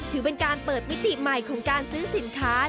ถือเป็นการเปิดมิติใหม่ของการซื้อสินค้า